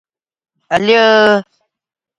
• Qushlar orasida yashasang, qushlar tilida gapir.